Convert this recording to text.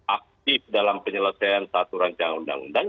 aktif dalam penyelesaian satu rancangan undang undang